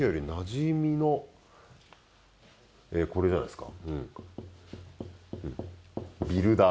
これじゃないですか？